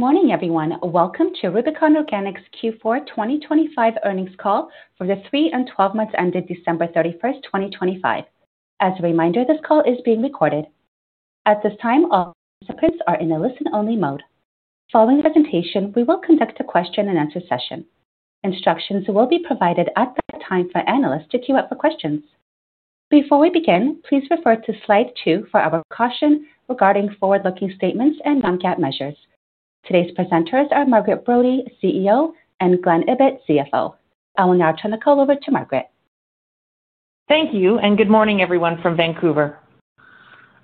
Good morning, everyone. Welcome to Rubicon Organics Q4 2025 earnings call for the three and 12 months ended December 31, 2025. As a reminder, this call is being recorded. At this time, all participants are in a listen-only mode. Following the presentation, we will conduct a question-and-answer session. Instructions will be provided at that time for analysts to queue up for questions. Before we begin, please refer to slide two for our caution regarding forward-looking statements and non-GAAP measures. Today's presenters are Margaret Brodie, CEO, and Glen Ibbott, CFO. I will now turn the call over to Margaret. Thank you, and good morning, everyone from Vancouver.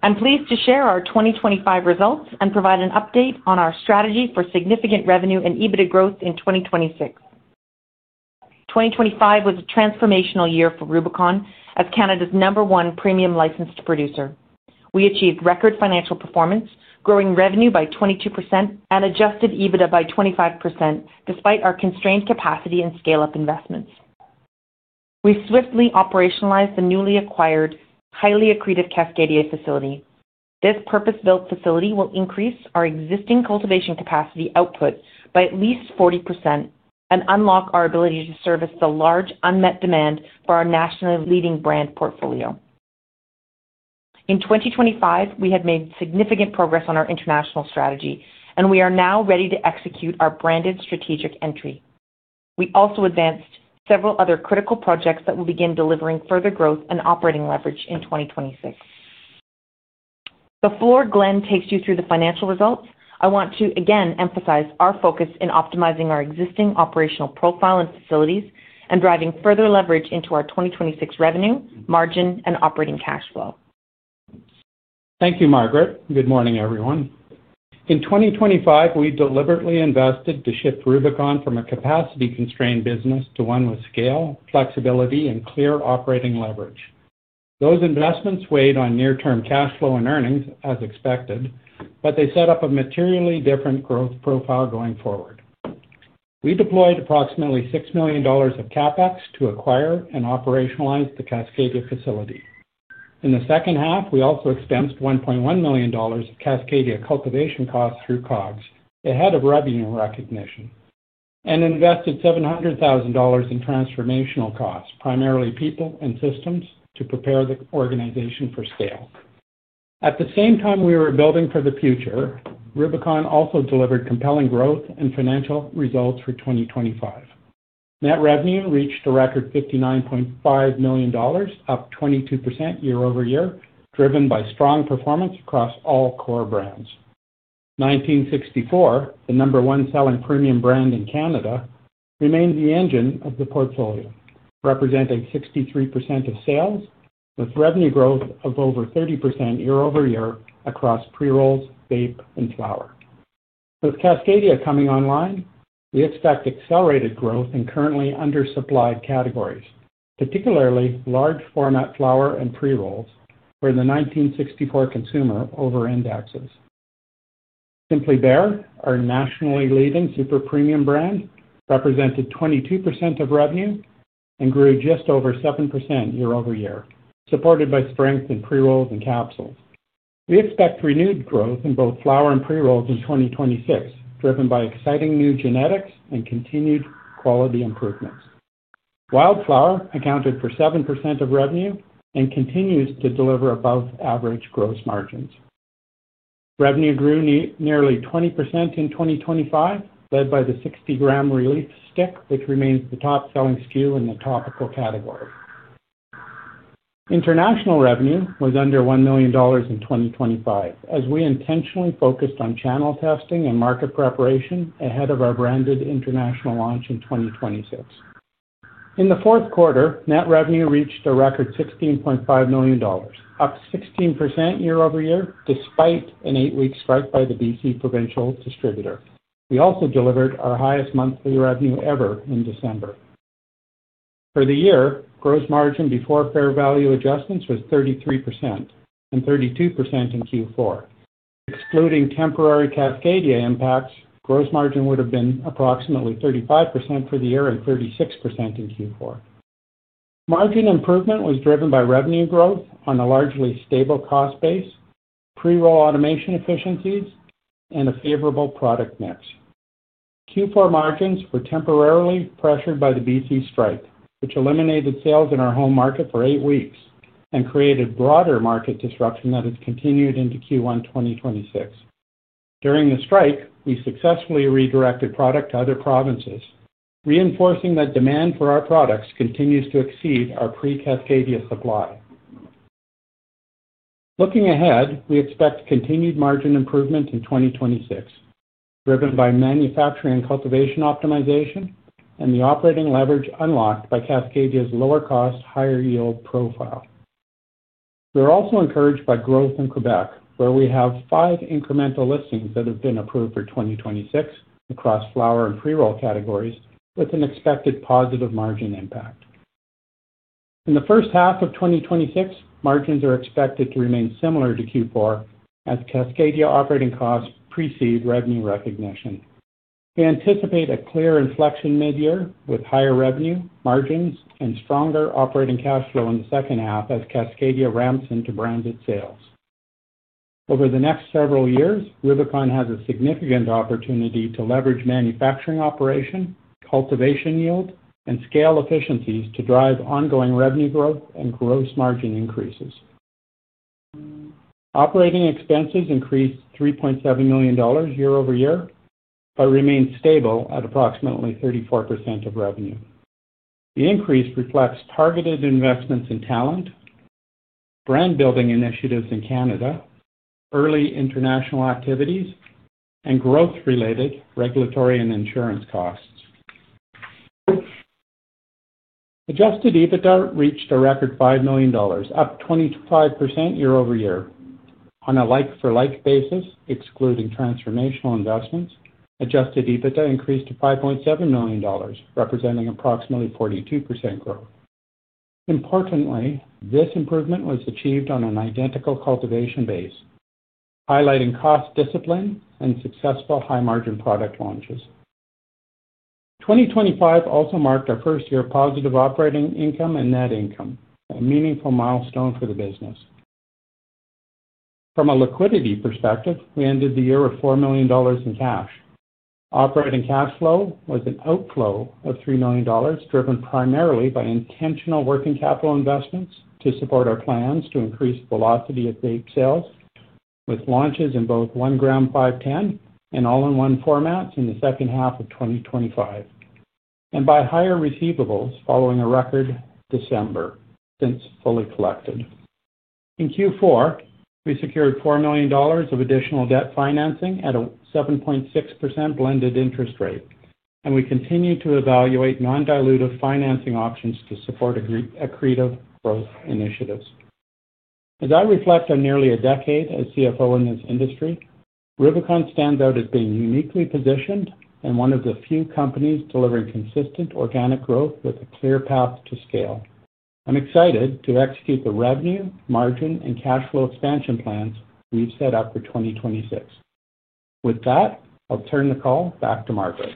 I'm pleased to share our 2025 results and provide an update on our strategy for significant revenue and EBITDA growth in 2026. 2025 was a transformational year for Rubicon as Canada's No. 1 premium licensed producer. We achieved record financial performance, growing revenue by 22% and Adjusted EBITDA by 25%, despite our constrained capacity and scale-up investments. We swiftly operationalized the newly acquired, highly accretive Cascadia facility. This purpose-built facility will increase our existing cultivation capacity output by at least 40% and unlock our ability to service the large unmet demand for our nationally leading brand portfolio. In 2025, we have made significant progress on our international strategy, and we are now ready to execute our branded strategic entry. We also advanced several other critical projects that will begin delivering further growth and operating leverage in 2026. Before Glen takes you through the financial results, I want to again emphasize our focus in optimizing our existing operational profile and facilities and driving further leverage into our 2026 revenue, margin, and operating cash flow. Thank you, Margaret. Good morning, everyone. In 2025, we deliberately invested to shift Rubicon from a capacity-constrained business to one with scale, flexibility, and clear operating leverage. Those investments weighed on near-term cash flow and earnings as expected, but they set up a materially different growth profile going forward. We deployed approximately 6 million dollars of CapEx to acquire and operationalize the Cascadia facility. In the second half, we also expensed 1.1 million dollars of Cascadia cultivation costs through COGS ahead of revenue recognition and invested 700,000 dollars in transformational costs, primarily people and systems to prepare the organization for scale. At the same time we were building for the future, Rubicon also delivered compelling growth and financial results for 2025. Net revenue reached a record 59.5 million dollars, up 22% year-over-year, driven by strong performance across all core brands. 1964, the number one selling premium brand in Canada, remains the engine of the portfolio, representing 63% of sales with revenue growth of over 30% year over year across pre-rolls, vape, and flower. With Cascadia coming online, we expect accelerated growth in currently undersupplied categories, particularly large format flower and pre-rolls where the 1964 consumer over-indexes. Simply Bare, our nationally leading super premium brand, represented 22% of revenue and grew just over 7% year over year, supported by strength in pre-rolls and ,capsules. We expect renewed growth in both flower and pre-rolls in 2026, driven by exciting new genetics and continued quality improvements. Wildflower accounted for 7% of revenue and continues to deliver above-average gross margins. Revenue grew nearly 20% in 2025, led by the 60g relief stick, which remains the top-selling SKU in the topical category. International revenue was under 1 million dollars in 2025, as we intentionally focused on channel testing and market preparation ahead of our branded international launch in 2026. In the fourth quarter, net revenue reached a record 16.5 million dollars, up 16% year-over-year, despite an eight-week strike by the B.C. provincial distributor. We also delivered our highest monthly revenue ever in December. For the year, gross margin before fair value adjustments was 33% and 32% in Q4. Excluding temporary Cascadia impacts, gross margin would have been approximately 35% for the year and 36% in Q4. Margin improvement was driven by revenue growth on a largely stable cost base, pre-roll automation efficiencies, and a favorable product mix. Q4 margins were temporarily pressured by the BC strike, which eliminated sales in our home market for 8 weeks and created broader market disruption that has continued into Q1 2026. During the strike, we successfully redirected product to other provinces, reinforcing that demand for our products continues to exceed our pre-Cascadia supply. Looking ahead, we expect continued margin improvement in 2026, driven by manufacturing cultivation optimization and the operating leverage unlocked by Cascadia's lower cost, higher yield profile. We are also encouraged by growth in Quebec, where we have five incremental listings that have been approved for 2026 across flower and pre-roll categories with an expected positive margin impact. In the first half of 2026, margins are expected to remain similar to Q4 as Cascadia operating costs precede revenue recognition. We anticipate a clear inflection mid-year with higher revenue, margins, and stronger operating cash flow in the second half as Cascadia ramps into branded sales. Over the next several years, Rubicon has a significant opportunity to leverage manufacturing operation, cultivation yield, and scale efficiencies to drive ongoing revenue growth and gross margin increases. Operating expenses increased 3.7 million dollars year-over-year, but remained stable at approximately 34% of revenue. The increase reflects targeted investments in talent, brand-building initiatives in Canada, early international activities, and growth-related regulatory and insurance costs. Adjusted EBITDA reached a record 5 million dollars, up 25% year-over-year. On a like-for-like basis, excluding transformational investments, Adjusted EBITDA increased to 5.7 million dollars, representing approximately 42% growth. Importantly, this improvement was achieved on an identical cultivation base, highlighting cost discipline and successful high-margin product launches. 2025 also marked our first year of positive operating income and net income, a meaningful milestone for the business. From a liquidity perspective, we ended the year with 4 million dollars in cash. Operating cash flow was an outflow of 3 million dollars, driven primarily by intentional working capital investments to support our plans to increase velocity of vape sales, with launches in both 1 g 510 and all-in-one formats in the second half of 2025, and by higher receivables following a record December since fully collected. In Q4, we secured 4 million dollars of additional debt financing at a 7.6% blended interest rate, and we continue to evaluate non-dilutive financing options to support accretive growth initiatives. As I reflect on nearly a decade as CFO in this industry, Rubicon stands out as being uniquely positioned and one of the few companies delivering consistent organic growth with a clear path to scale. I'm excited to execute the revenue, margin, and cash flow expansion plans we've set out for 2026. With that, I'll turn the call back to Margaret.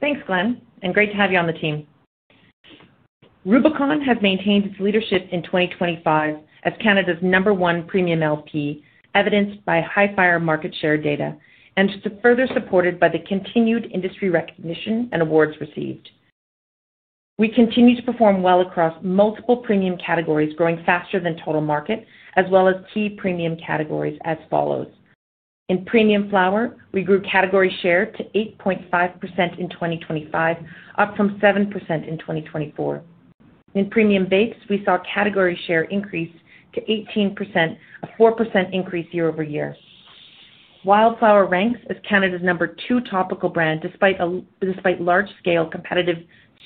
Thanks, Glen, and great to have you on the team. Rubicon has maintained its leadership in 2025 as Canada's number one premium LP, evidenced by Hifyre market share data and further supported by the continued industry recognition and awards received. We continue to perform well across multiple premium categories, growing faster than total market as well as key premium categories as follows. In premium flower, we grew category share to 8.5% in 2025, up from 7% in 2024. In premium vapes, we saw category share increase to 18%, a 4% increase year-over-year. Wildflower ranks as Canada's number two topical brand despite large-scale competitive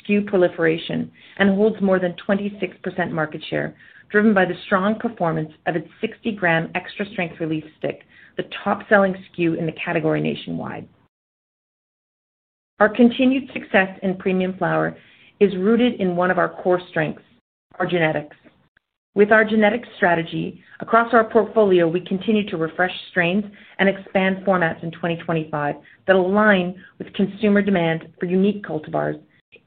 SKU proliferation and holds more than 26% market share, driven by the strong performance of its 60-gram extra-strength relief stick, the top-selling SKU in the category nationwide. Our continued success in premium flower is rooted in one of our core strengths, our genetics. With our genetics strategy across our portfolio, we continue to refresh strains and expand formats in 2025 that align with consumer demand for unique cultivars,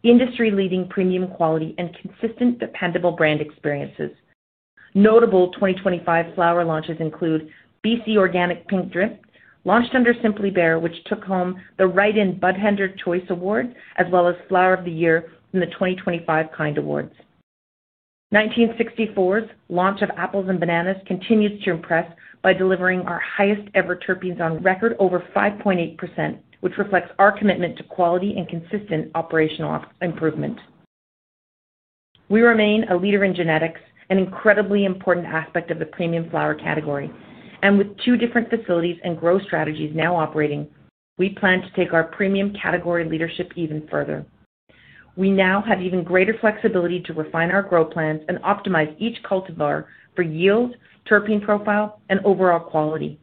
industry-leading premium quality, and consistent, dependable brand experiences. Notable 2025 flower launches include BC Organic Pink Drip, launched under Simply Bare, which took home the write-in Budtender's Choice Award, as well as Flower of the Year from the 2025 KIND Awards. 1964's launch of Apples & Bananas continues to impress by delivering our highest-ever terpenes on record over 5.8%, which reflects our commitment to quality and consistent operational improvement. We remain a leader in genetics, an incredibly important aspect of the premium flower category. With two different facilities and growth strategies now operating, we plan to take our premium category leadership even further. We now have even greater flexibility to refine our growth plans and optimize each cultivar for yield, terpene profile, and overall quality.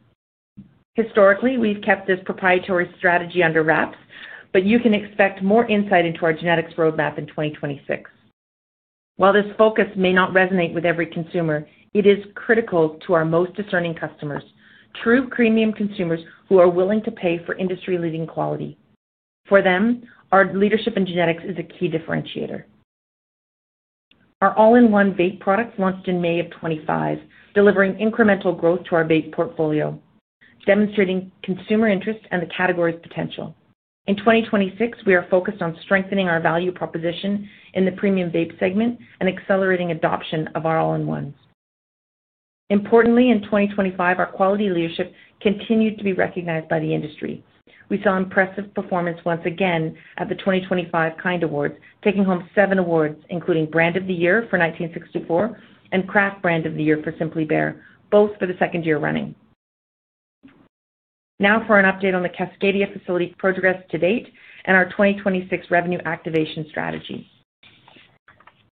Historically, we've kept this proprietary strategy under wraps, but you can expect more insight into our genetics roadmap in 2026. While this focus may not resonate with every consumer, it is critical to our most discerning customers, true premium consumers who are willing to pay for industry-leading quality. For them, our leadership in genetics is a key differentiator. Our all-in-one vape products launched in May 2025, delivering incremental growth to our vape portfolio, demonstrating consumer interest and the category's potential. In 2026, we are focused on strengthening our value proposition in the premium vape segment and accelerating adoption of our all-in-ones. Importantly, in 2025, our quality leadership continued to be recognized by the industry. We saw impressive performance once again at the 2025 KIND Awards, taking home seven awards, including Brand of the Year for 1964 and Craft Brand of the Year for Simply Bare, both for the second year running. Now for an update on the Cascadia facility progress to date and our 2026 revenue activation strategy.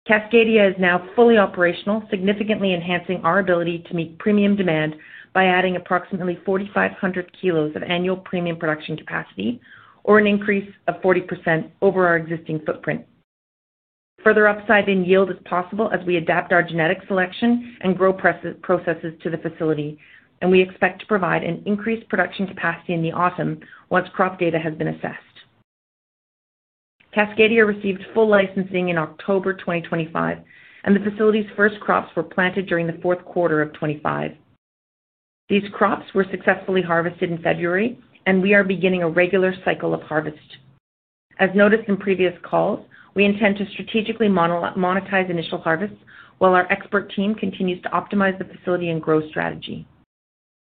Cascadia is now fully operational, significantly enhancing our ability to meet premium demand by adding approximately 4,500 kilos of annual premium production capacity or an increase of 40% over our existing footprint. Further upside in yield is possible as we adapt our genetic selection and grow processes to the facility, and we expect to provide an increased production capacity in the autumn once crop data has been assessed. Cascadia received full licensing in October 2025, and the facility's first crops were planted during the fourth quarter of 2025. These crops were successfully harvested in February, and we are beginning a regular cycle of harvest. As noted in previous calls, we intend to strategically monetize initial harvests while our expert team continues to optimize the facility and growth strategy.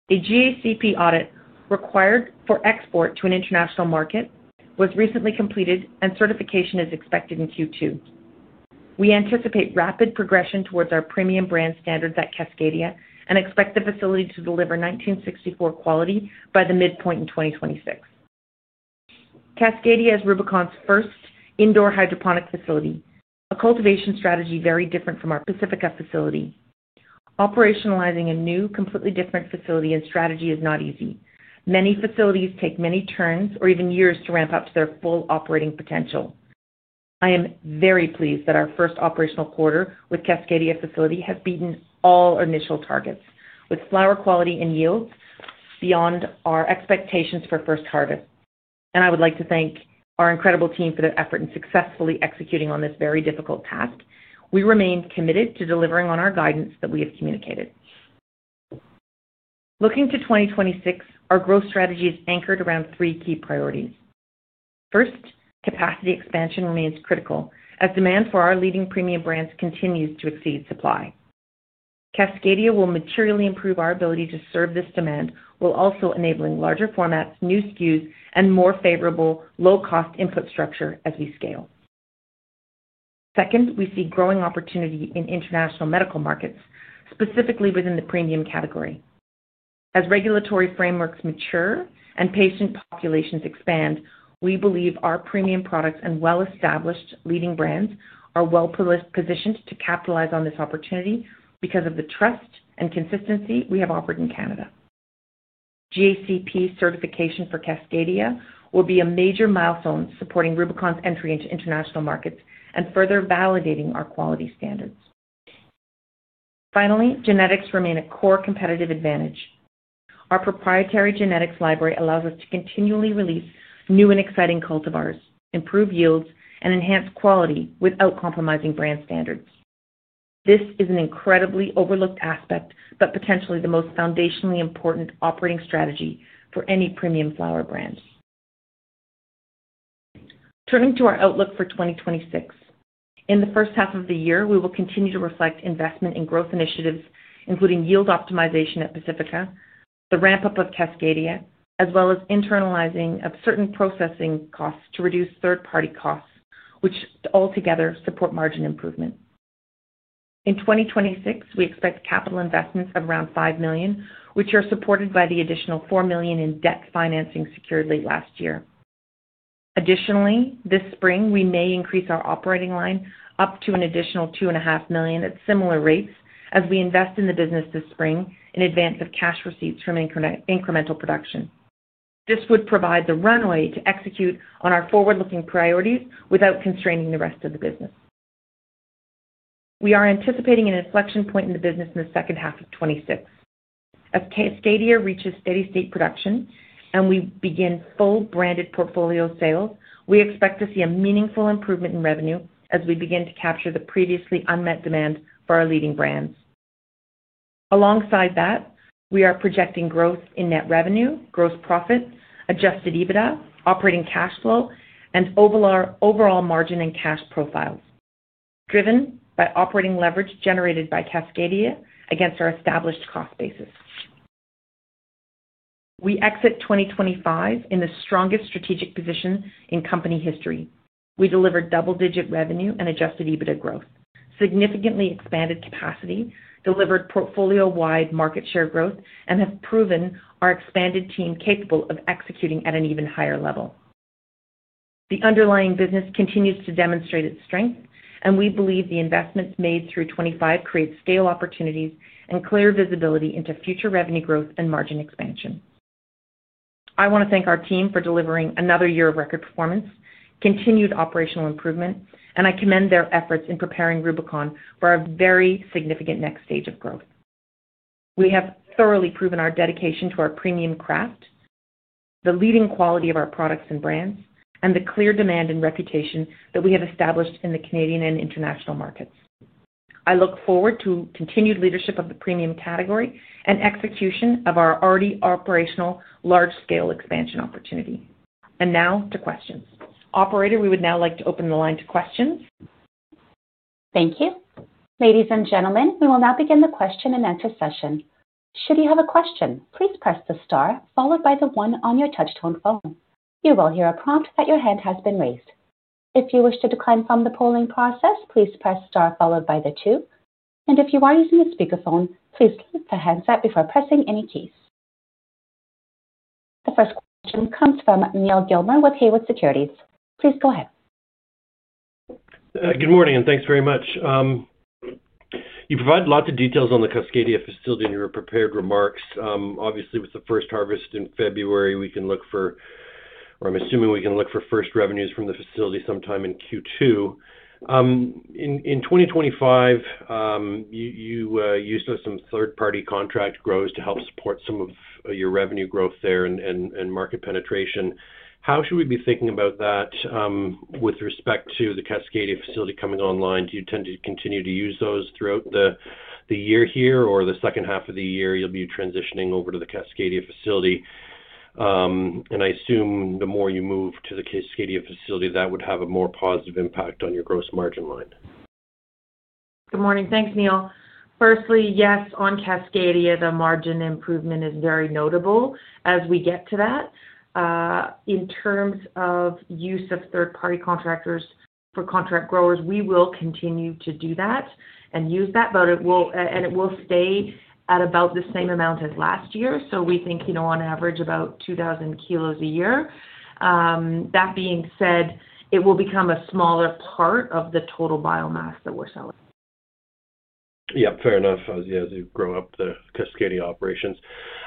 A GACP audit required for export to an international market was recently completed and certification is expected in Q2. We anticipate rapid progression towards our premium brand standards at Cascadia and expect the facility to deliver 1964 quality by the midpoint in 2026. Cascadia is Rubicon's first indoor hydroponic facility, a cultivation strategy very different from our Pacifica facility. Operationalizing a new, completely different facility and strategy is not easy. Many facilities take many turns or even years to ramp up to their full operating potential. I am very pleased that our first operational quarter with Cascadia facility has beaten all initial targets, with flower quality and yield beyond our expectations for first harvest. I would like to thank our incredible team for their effort in successfully executing on this very difficult task. We remain committed to delivering on our guidance that we have communicated. Looking to 2026, our growth strategy is anchored around three key priorities. First, capacity expansion remains critical as demand for our leading premium brands continues to exceed supply. Cascadia will materially improve our ability to serve this demand, while also enabling larger formats, new SKUs, and more favorable low-cost input structure as we scale. Second, we see growing opportunity in international medical markets, specifically within the premium category. As regulatory frameworks mature and patient populations expand, we believe our premium products and well-established leading brands are well-positioned to capitalize on this opportunity because of the trust and consistency we have offered in Canada. GACP certification for Cascadia will be a major milestone, supporting Rubicon's entry into international markets and further validating our quality standards. Finally, genetics remain a core competitive advantage. Our proprietary genetics library allows us to continually release new and exciting cultivars, improve yields, and enhance quality without compromising brand standards. This is an incredibly overlooked aspect, but potentially the most foundationally important operating strategy for any premium flower brand. Turning to our outlook for 2026. In the first half of the year, we will continue to reflect investment in growth initiatives, including yield optimization at Pacifica, the ramp-up of Cascadia, as well as internalizing of certain processing costs to reduce third-party costs, which altogether support margin improvement. In 2026, we expect capital investments of around 5 million, which are supported by the additional 4 million in debt financing secured last year. Additionally, this spring, we may increase our operating line up to an additional 2.5 million at similar rates as we invest in the business this spring in advance of cash receipts from incremental production. This would provide the runway to execute on our forward-looking priorities without constraining the rest of the business. We are anticipating an inflection point in the business in the second half of 2026. As Cascadia reaches steady-state production and we begin full branded portfolio sales, we expect to see a meaningful improvement in revenue as we begin to capture the previously unmet demand for our leading brands. Alongside that, we are projecting growth in net revenue, gross profit, adjusted EBITDA, operating cash flow, and overall margin and cash profiles, driven by operating leverage generated by Cascadia against our established cost basis. We exit 2025 in the strongest strategic position in company history. We delivered double-digit revenue and Adjusted EBITDA growth, significantly expanded capacity, delivered portfolio-wide market share growth, and have proven our expanded team capable of executing at an even higher level. The underlying business continues to demonstrate its strength, and we believe the investments made through 2025 create scale opportunities and clear visibility into future revenue growth and margin expansion. I want to thank our team for delivering another year of record performance, continued operational improvement, and I commend their efforts in preparing Rubicon for a very significant next stage of growth. We have thoroughly proven our dedication to our premium craft, the leading quality of our products and brands, and the clear demand and reputation that we have established in the Canadian and international markets. I look forward to continued leadership of the premium category and execution of our already operational large-scale expansion opportunity. Now to questions. Operator, we would now like to open the line to questions. Thank you. Ladies and gentlemen, we will now begin the question-and-answer session. Should you have a question, please press the star followed by the one on your touch-tone phone. You will hear a prompt that your hand has been raised. If you wish to decline from the polling process, please press star followed by the two. If you are using a speakerphone, please keep the handset before pressing any keys. The first question comes from Neal Gilmer with Haywood Securities. Please go ahead. Good morning, and thanks very much. You provided lots of details on the Cascadia facility in your prepared remarks. Obviously, with the first harvest in February, we can look for I'm assuming we can look for first revenues from the facility sometime in Q2. In 2025, you used some third-party contract growers to help support some of your revenue growth there and market penetration. How should we be thinking about that, with respect to the Cascadia facility coming online? Do you tend to continue to use those throughout the year here, or the second half of the year you'll be transitioning over to the Cascadia facility? I assume the more you move to the Cascadia facility, that would have a more positive impact on your gross margin line. Good morning. Thanks, Neal. Firstly, yes, on Cascadia, the margin improvement is very notable as we get to that. In terms of use of third-party contractors for contract growers, we will continue to do that and use that, but it will and it will stay at about the same amount as last year. We think, you know, on average, about 2,000 kilos a year. That being said, it will become a smaller part of the total biomass that we're selling. Yeah, fair enough as you grow up the Cascadia operations.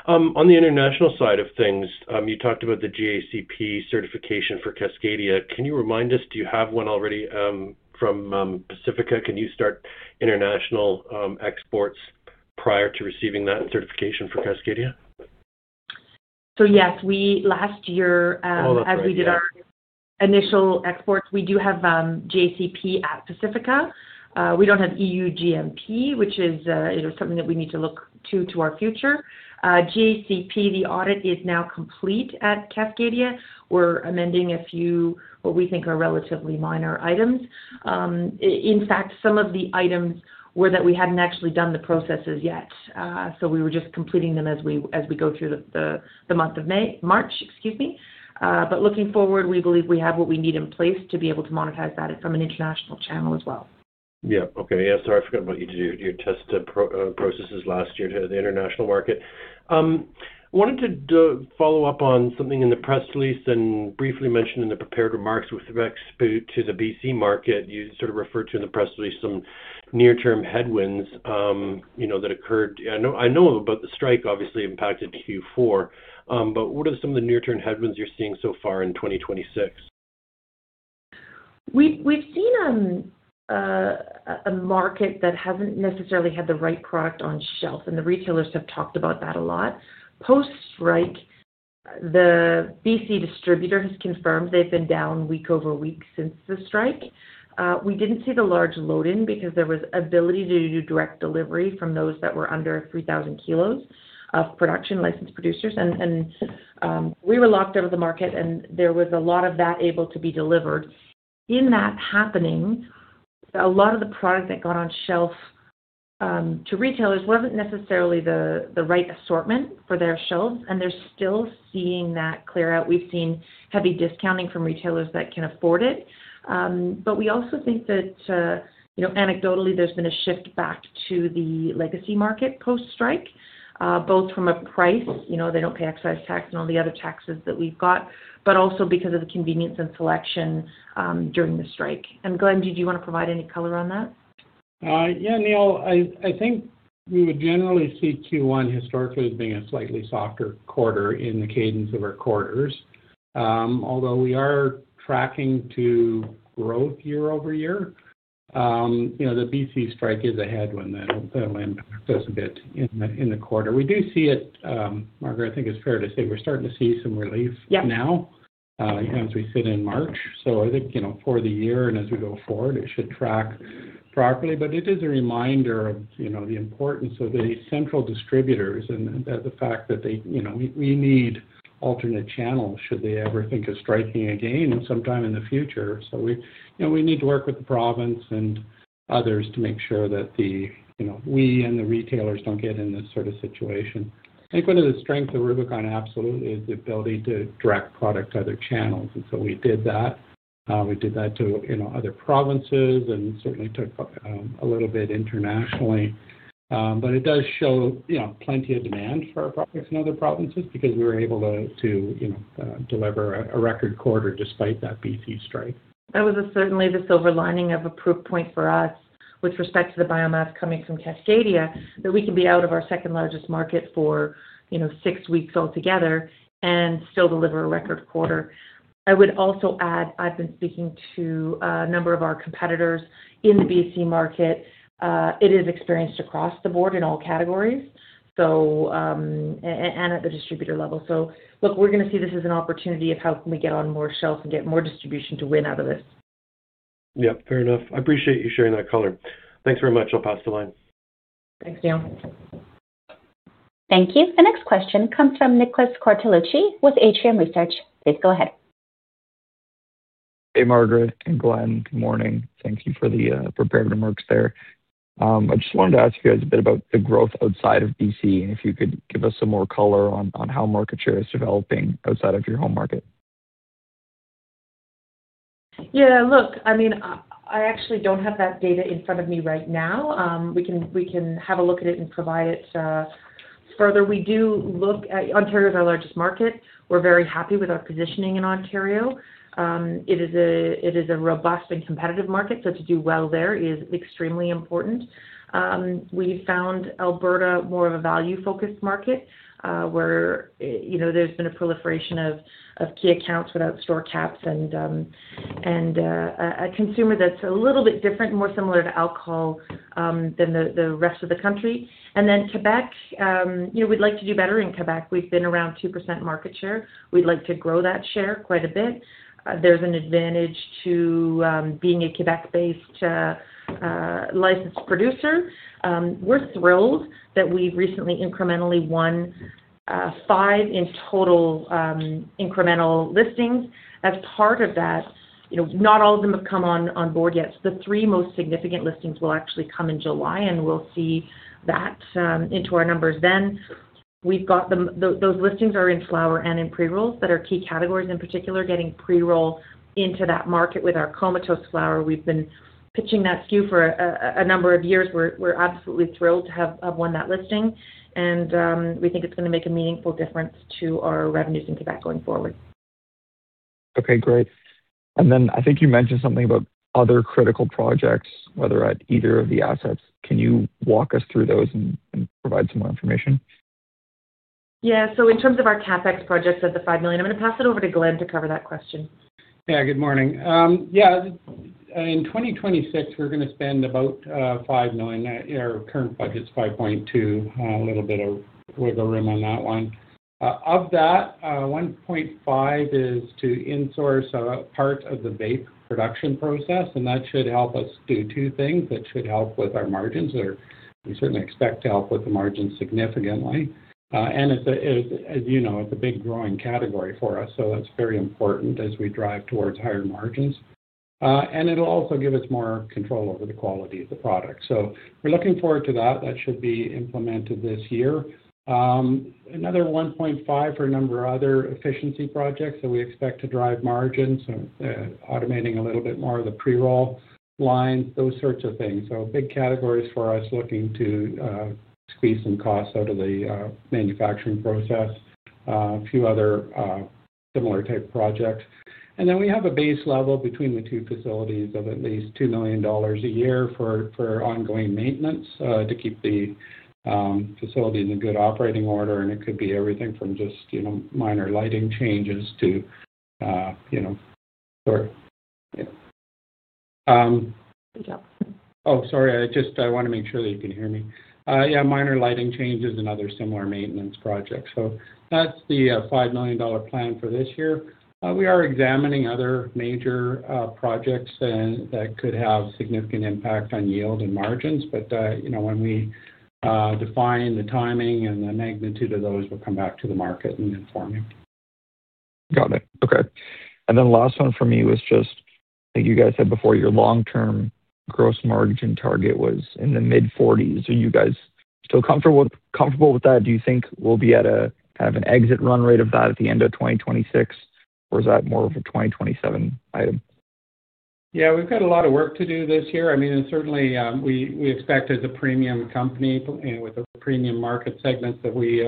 On the international side of things, you talked about the GACP certification for Cascadia. Can you remind us, do you have one already from Pacifica? Can you start international exports prior to receiving that certification for Cascadia? Yes, we last year. Oh, that's right. Yeah... as we did our initial exports, we do have GACP at Pacifica. We don't have EU GMP, which is, you know, something that we need to look to our future. GACP, the audit is now complete at Cascadia. We're amending a few, what we think are relatively minor items. In fact, some of the items were that we hadn't actually done the processes yet, so we were just completing them as we go through the month of March, excuse me. Looking forward, we believe we have what we need in place to be able to monetize that from an international channel as well. Yeah. Okay. Yeah, sorry, I forgot about you tested processes last year to the international market. Wanted to follow up on something in the press release and briefly mentioned in the prepared remarks with respect to the BC market. You sort of referred to in the press release some near-term headwinds, you know, that occurred. I know about the strike obviously impacted Q4. What are some of the near-term headwinds you're seeing so far in 2026? We've seen a market that hasn't necessarily had the right product on shelf, and the retailers have talked about that a lot. Post-strike, the BC distributor has confirmed they've been down week over week since the strike. We didn't see the large load in because there was ability to do direct delivery from those that were under 3,000 kilos of production licensed producers. We were locked out of the market, and there was a lot of that able to be delivered. In that happening, a lot of the product that got on shelf to retailers wasn't necessarily the right assortment for their shelves, and they're still seeing that clear out. We've seen heavy discounting from retailers that can afford it. We also think that, you know, anecdotally, there's been a shift back to the legacy market post-strike, both from a price, you know, they don't pay excise tax and all the other taxes that we've got, but also because of the convenience and selection during the strike. Glen Ibbott, did you want to provide any color on that? Yeah, Neal, I think we would generally see Q1 historically as being a slightly softer quarter in the cadence of our quarters. Although we are tracking to growth year-over-year, you know, the BC strike is a headwind that'll impact us a bit in the quarter. We do see it, Margaret, I think it's fair to say we're starting to see some relief. Yeah Now, as we sit in March. I think, you know, for the year and as we go forward, it should track properly. It is a reminder of, you know, the importance of the central distributors and the fact that they, you know, we need alternate channels should they ever think of striking again sometime in the future. We, you know, we need to work with the province and others to make sure that, you know, we and the retailers don't get in this sort of situation. I think one of the strengths of Rubicon absolutely is the ability to direct product to other channels. We did that. We did that to, you know, other provinces and certainly took a little bit internationally. It does show, you know, plenty of demand for our products in other provinces because we were able to, you know, deliver a record quarter despite that B.C. strike. That was certainly the silver lining of a proof point for us with respect to the biomass coming from Cascadia, that we can be out of our second-largest market for, you know, six weeks altogether and still deliver a record quarter. I would also add, I've been speaking to a number of our competitors in the BC market. It is experienced across the board in all categories, so, and at the distributor level. Look, we're gonna see this as an opportunity of how can we get on more shelves and get more distribution to win out of this. Yeah. Fair enough. I appreciate you sharing that color. Thanks very much. I'll pass the line. Thanks, Neal. Thank you. The next question comes from Nicholas Cortellucci with Atrium Research. Please go ahead. Hey, Margaret and Glen. Good morning. Thank you for the prepared remarks there. I just wanted to ask you guys a bit about the growth outside of BC, and if you could give us some more color on how market share is developing outside of your home market. Yeah, look, I mean, I actually don't have that data in front of me right now. We can have a look at it and provide it further. We do look at Ontario. It is our largest market. We're very happy with our positioning in Ontario. It is a robust and competitive market, so to do well there is extremely important. We found Alberta more of a value-focused market, where, you know, there's been a proliferation of key accounts without store caps and a consumer that's a little bit different, more similar to alcohol than the rest of the country. Quebec, we'd like to do better in Quebec. We've been around 2% market share. We'd like to grow that share quite a bit. There's an advantage to being a Quebec-based licensed producer. We're thrilled that we've recently incrementally won five in total incremental listings. As part of that, you know, not all of them have come on board yet. The three most significant listings will actually come in July, and we'll see that into our numbers then. Those listings are in flower and in pre-rolls that are key categories, in particular, getting pre-roll into that market with our Comatose flower. We've been pitching that SKU for a number of years. We're absolutely thrilled to have won that listing, and we think it's going to make a meaningful difference to our revenues in Quebec going forward. Okay, great. I think you mentioned something about other critical projects, whether at either of the assets. Can you walk us through those and provide some more information? Yeah. In terms of our CapEx projects of the 5 million, I'm going to pass it over to Glen to cover that question. Yeah. Good morning. In 2026, we're going to spend about 5 million. Our current budget is 5.2 million, a little bit of wiggle room on that one. Of that, 1.5 million is to in-source a part of the vape production process, and that should help us do two things. That should help with our margins, or we certainly expect to help with the margins significantly. As you know, it's a big growing category for us, so that's very important as we drive towards higher margins. It'll also give us more control over the quality of the product. We're looking forward to that. That should be implemented this year. Another 1.5 for a number of other efficiency projects that we expect to drive margins, automating a little bit more of the pre-roll lines, those sorts of things. Big categories for us, looking to squeeze some costs out of the manufacturing process. A few other similar type projects. We have a base level between the two facilities of at least 2 million dollars a year for ongoing maintenance to keep the facility in a good operating order. It could be everything from just, you know, minor lighting changes. Good job. Oh, sorry. I want to make sure that you can hear me. Minor lighting changes and other similar maintenance projects. That's the 5 million dollar plan for this year. We are examining other major projects and that could have significant impact on yield and margins. You know, when we define the timing and the magnitude of those, we'll come back to the market and inform you. Got it. Okay. Last one for me was just, I think you guys said before, your long-term gross margin target was in the mid-40s%. Are you guys still comfortable with that? Do you think we'll be at a kind of an exit run rate of that at the end of 2026, or is that more of a 2027 item? Yeah, we've got a lot of work to do this year. I mean, certainly, we expect as a premium company and with the premium market segments that we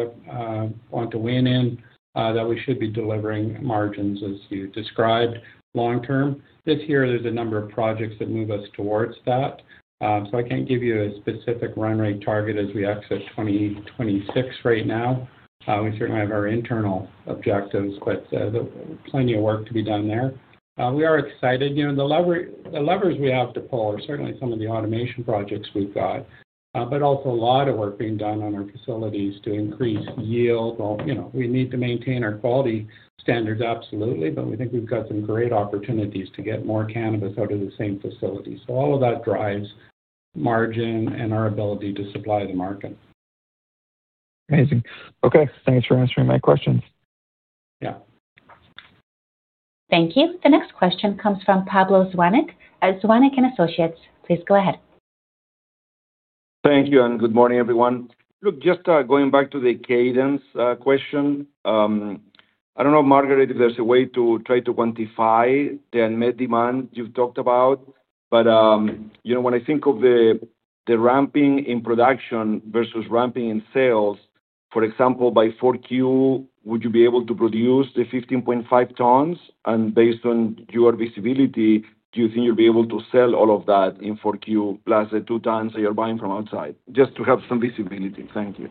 want to win in, that we should be delivering margins as you described long term. This year there's a number of projects that move us towards that. I can't give you a specific run rate target as we exit 2026 right now. We certainly have our internal objectives, but plenty of work to be done there. We are excited. You know, the levers we have to pull are certainly some of the automation projects we've got, but also a lot of work being done on our facilities to increase yield. Well, you know, we need to maintain our quality standards, absolutely, but we think we've got some great opportunities to get more cannabis out of the same facility. All of that drives margin and our ability to supply the market. Amazing. Okay. Thanks for answering my questions. Yeah. Thank you. The next question comes from Pablo Zuanic at Zuanic & Associates. Please go ahead. Thank you, and good morning, everyone. Look, just going back to the cadence question. I don't know, Margaret, if there's a way to try to quantify the unmet demand you've talked about, but you know, when I think of the ramping in production versus ramping in sales, for example, by Q4, would you be able to produce the 15.5 tons? And based on your visibility, do you think you'll be able to sell all of that in Q4 plus the 2 tons that you're buying from outside? Just to have some visibility. Thank you.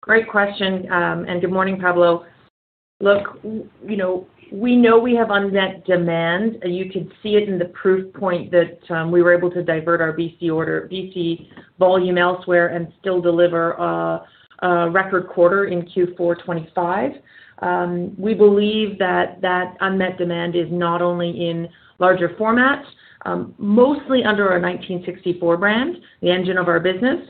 Great question. And good morning, Pablo. Look, you know, we know we have unmet demand. You could see it in the proof point that we were able to divert our BC volume elsewhere and still deliver a record quarter in Q4 2025. We believe that unmet demand is not only in larger formats, mostly under our 1964 brand, the engine of our business.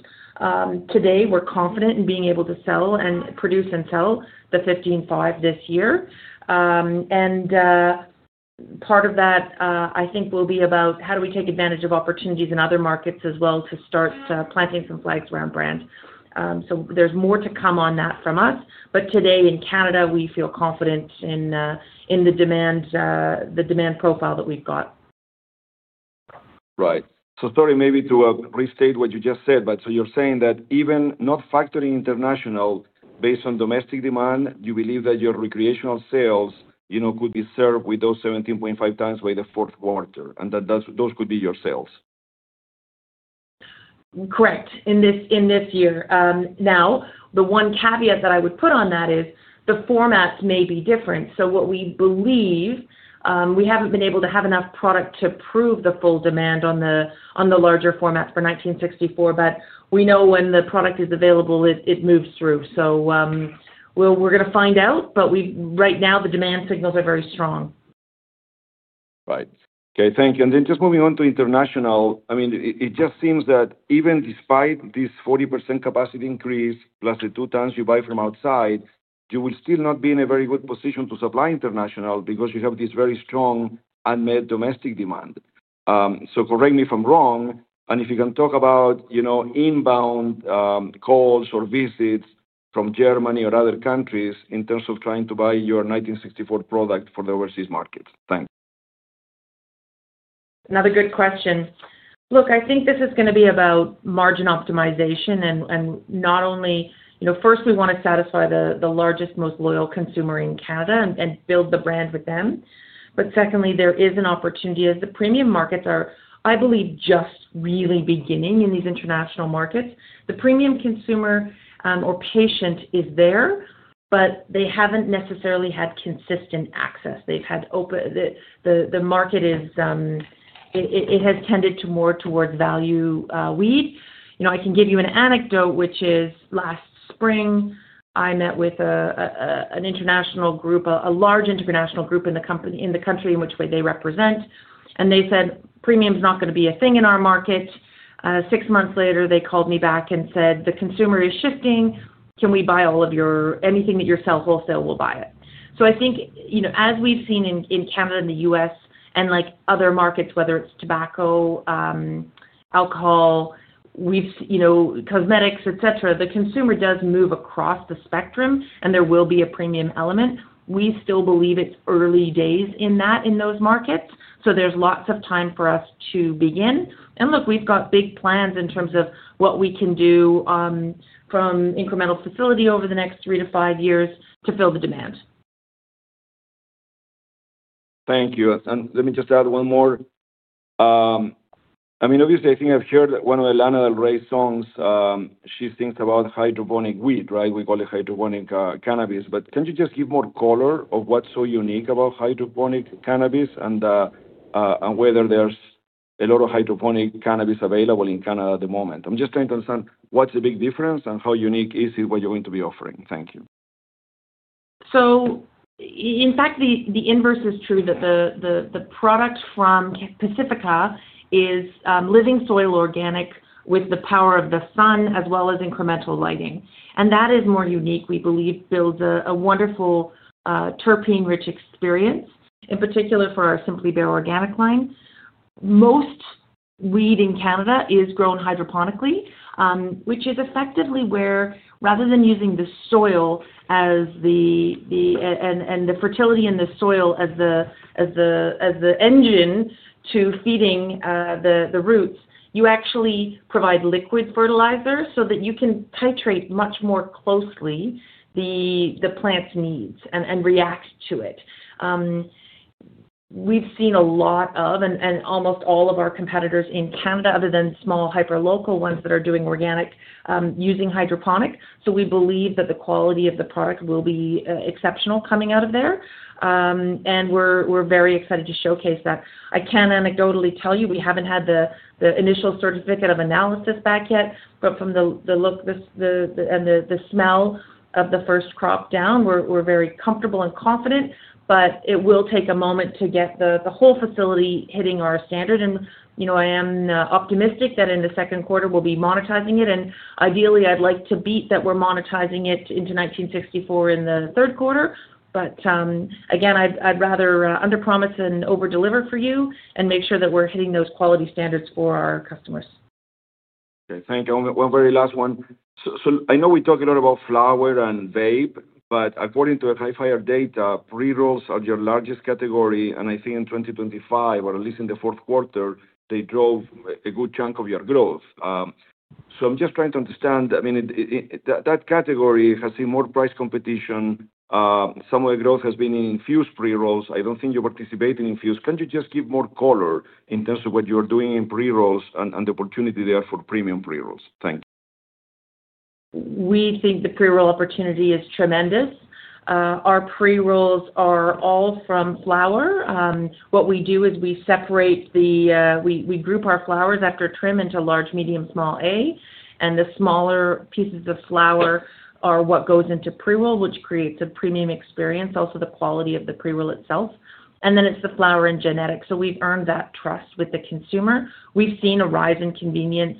Today, we're confident in being able to sell and produce and sell the 15.5 this year. And part of that, I think, will be about how we take advantage of opportunities in other markets as well to start planting some flags around brand. There's more to come on that from us. Today in Canada, we feel confident in the demand profile that we've got. Right. Sorry, maybe to restate what you just said, but so you're saying that even not factoring international based on domestic demand, you believe that your recreational sales, you know, could be served with those 17.5 tons by the fourth quarter, and that those could be your sales. Correct. In this year. The one caveat that I would put on that is the formats may be different. What we believe, we haven't been able to have enough product to prove the full demand on the larger formats for 1964, but we know when the product is available, it moves through. We're gonna find out, but right now the demand signals are very strong. Right. Okay, thank you. Just moving on to international. I mean, it just seems that even despite this 40% capacity increase plus the 2 tons you buy from outside, you will still not be in a very good position to supply international because you have this very strong unmet domestic demand. So correct me if I'm wrong, and if you can talk about, you know, inbound calls or visits from Germany or other countries in terms of trying to buy your 1964 product for the overseas markets. Thanks. Another good question. Look, I think this is gonna be about margin optimization and not only. You know, first we wanna satisfy the largest, most loyal consumer in Canada and build the brand with them. Secondly, there is an opportunity as the premium markets are, I believe, just really beginning in these international markets. The premium consumer or patient is there, but they haven't necessarily had consistent access. The market has tended more towards value weed. You know, I can give you an anecdote, which is last spring, I met with an international group, a large international group in the country in which they represent. They said, "Premium is not gonna be a thing in our market." Six months later, they called me back and said, "The consumer is shifting. Can we buy all of your... anything that you sell wholesale, we'll buy it." I think, you know, as we've seen in Canada and the US and like other markets, whether it's tobacco, alcohol, we've, you know, cosmetics, et cetera, the consumer does move across the spectrum and there will be a premium element. We still believe it's early days in those markets. There's lots of time for us to begin. Look, we've got big plans in terms of what we can do from incremental facility over the next three to five years to fill the demand. Thank you. Let me just add one more. I mean, obviously, I think I've heard one of Lana Del Rey's songs, she sings about hydroponic weed, right? We call it hydroponic, cannabis. But can you just give more color of what's so unique about hydroponic cannabis and whether there's a lot of hydroponic cannabis available in Canada at the moment? I'm just trying to understand what's the big difference and how unique is it, what you're going to be offering. Thank you. In fact, the inverse is true that the product from Pacifica is living soil organic with the power of the sun as well as incremental lighting. That is more unique, we believe builds a wonderful terpene-rich experience, in particular for our Simply Bare Organic line. Most weed in Canada is grown hydroponically, which is effectively where rather than using the fertility in the soil as the engine to feeding the roots, you actually provide liquid fertilizer so that you can titrate much more closely the plant's needs and react to it. We've seen almost all of our competitors in Canada other than small hyperlocal ones that are doing organic using hydroponic. We believe that the quality of the product will be exceptional coming out of there. And we're very excited to showcase that. I can anecdotally tell you, we haven't had the initial certificate of analysis back yet, but from the look and the smell of the first crop down, we're very comfortable and confident, but it will take a moment to get the whole facility hitting our standard and, you know, I am optimistic that in the second quarter we'll be monetizing it, and ideally, I'd like to beat that we're monetizing it into 1964 in the third quarter. But again, I'd rather underpromise and overdeliver for you and make sure that we're hitting those quality standards for our customers. Okay, thank you. One very last one. I know we talk a lot about flower and vape, but according to a Hifyre data, pre-rolls are your largest category, and I think in 2025, or at least in the fourth quarter, they drove a good chunk of your growth. I'm just trying to understand, I mean, that category has seen more price competition. Some of the growth has been in infused pre-rolls. I don't think you participate in infused. Can you just give more color in terms of what you're doing in pre-rolls and the opportunity there for premium pre-rolls? Thank you. We think the pre-roll opportunity is tremendous. Our pre-rolls are all from flower. What we do is we separate the, we group our flowers after trim into large, medium, small A, and the smaller pieces of flower are what goes into pre-roll, which creates a premium experience, also the quality of the pre-roll itself. Then it's the flower and genetics. We've earned that trust with the consumer. We've seen a rise in convenience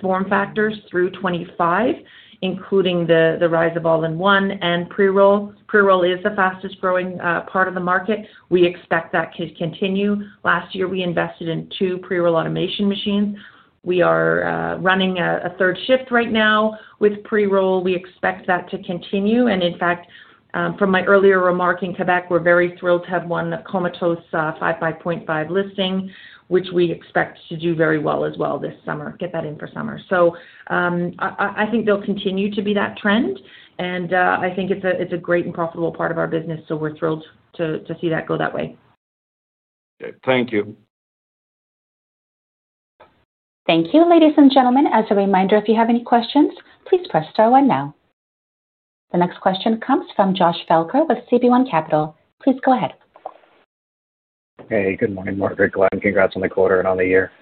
form factors through 2025, including the rise of all-in-one and pre-roll. Pre-roll is the fastest growing part of the market. We expect that to continue. Last year, we invested in 2 pre-roll automation machines. We are running a third shift right now with pre-roll. We expect that to continue. In fact, from my earlier remark in Quebec, we're very thrilled to have won the Comatose 5 x 0.5g listing. I think they'll continue to be that trend and I think it's a great and profitable part of our business, so we're thrilled to see that go that way. Okay. Thank you. Thank you. Ladies and gentlemen, as a reminder, if you have any questions, please press star one now. The next question comes from Josh Felker with CB1 Capital. Please go ahead. Hey, good morning, Margaret. Glen, congrats on the quarter and on the year.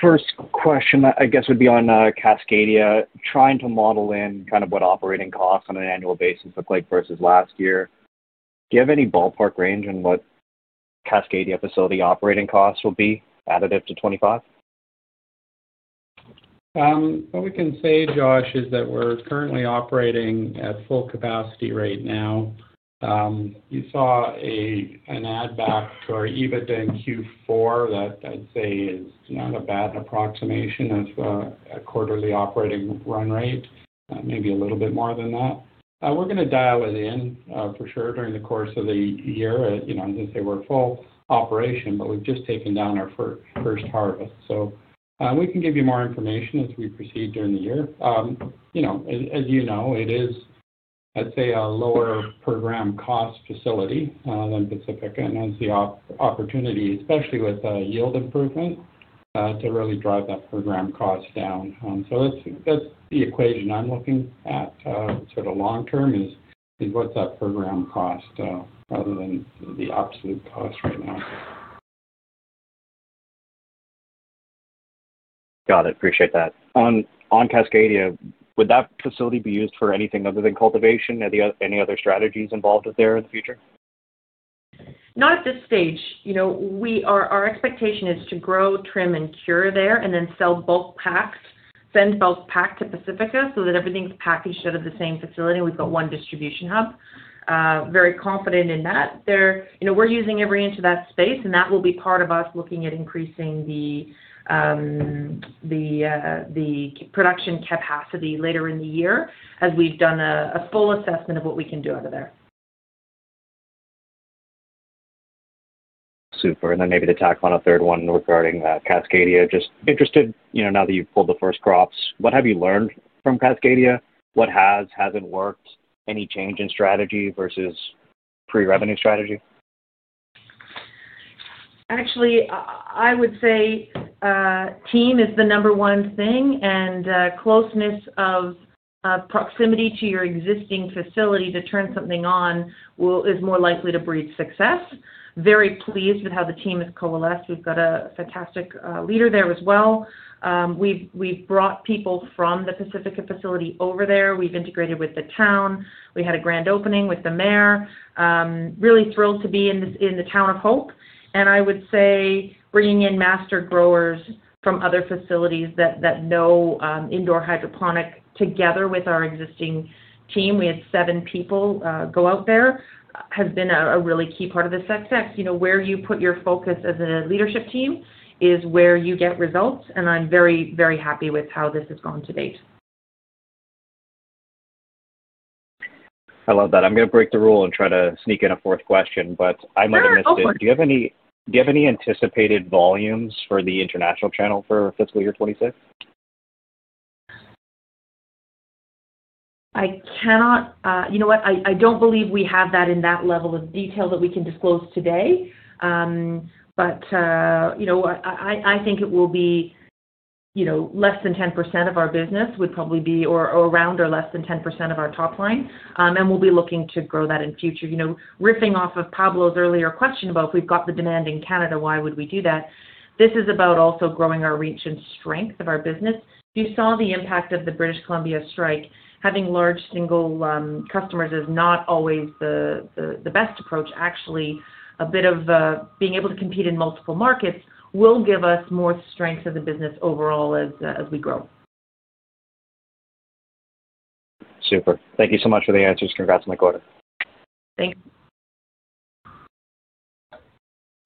First question I guess would be on Cascadia, trying to model in kind of what operating costs on an annual basis look like versus last year. Do you have any ballpark range on what Cascadia facility operating costs will be additive to 25? What we can say, Josh, is that we're currently operating at full capacity right now. You saw an add back to our EBITDA in Q4 that I'd say is not a bad approximation of a quarterly operating run rate, maybe a little bit more than that. We're gonna dial it in for sure during the course of the year. You know, I'd say we're at full operation, but we've just taken down our first harvest. We can give you more information as we proceed during the year. You know, as you know, it is, I'd say, a lower program cost facility than Pacifica and has the opportunity, especially with yield improvement, to really drive that program cost down. That's the equation I'm looking at. Sort of long term is what's that program cost, other than the absolute cost right now. Got it. Appreciate that. On Cascadia, would that facility be used for anything other than cultivation? Any other strategies involved with it there in the future? Not at this stage. You know, our expectation is to grow, trim, and cure there and then sell bulk packs, send bulk pack to Pacifica so that everything's packaged out of the same facility. We've got one distribution hub. Very confident in that. You know, we're using every inch of that space, and that will be part of us looking at increasing the production capacity later in the year as we've done a full assessment of what we can do out of there. Super. Maybe to tack on a third one regarding Cascadia. Just interested, you know, now that you've pulled the first crops, what have you learned from Cascadia? What has or hasn't worked? Any change in strategy versus pre-revenue strategy? Actually, I would say, team is the number one thing and, closeness of, proximity to your existing facility to turn something on is more likely to breed success. Very pleased with how the team has coalesced. We've got a fantastic leader there as well. We've brought people from the Pacifica facility over there. We've integrated with the town. We had a grand opening with the mayor. Really thrilled to be in the town of Hope. I would say bringing in master growers from other facilities that know indoor hydroponic together with our existing team, we had 7 people go out there, has been a really key part of the success. You know, where you put your focus as a leadership team is where you get results and I'm very, very happy with how this has gone to date. I love that. I'm gonna break the rule and try to sneak in a fourth question, but. Sure. Go for it. I might have missed it. Do you have any anticipated volumes for the international channel for fiscal year 2026? You know what, I don't believe we have that in that level of detail that we can disclose today. But you know, I think it will be, you know, less than 10% of our business would probably be, or around or less than 10% of our top line. We'll be looking to grow that in future. You know, riffing off of Pablo's earlier question about if we've got the demand in Canada, why would we do that? This is about also growing our reach and strength of our business. You saw the impact of the British Columbia strike. Having large single customers is not always the best approach. Actually, a bit of being able to compete in multiple markets will give us more strength as a business overall as we grow. Super. Thank you so much for the answers. Congrats on the quarter. Thanks.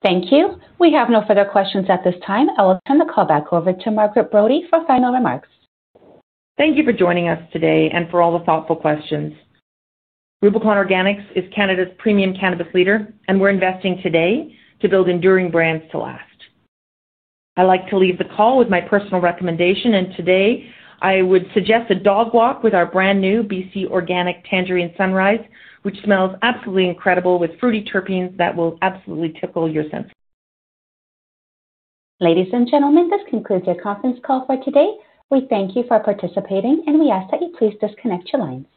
Thank you. We have no further questions at this time. I will turn the call back over to Margaret Brodie for final remarks. Thank you for joining us today and for all the thoughtful questions. Rubicon Organics is Canada's premium cannabis leader, and we're investing today to build enduring brands to last. I like to leave the call with my personal recommendation, and today, I would suggest a dog walk with our brand-new BC Organic Tangerine Sunrise, which smells absolutely incredible with fruity terpenes that will absolutely tickle your senses. Ladies and gentlemen, this concludes your conference call for today. We thank you for participating, and we ask that you please disconnect your lines.